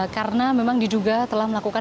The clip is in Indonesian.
karena memang diduga telah melaksanakan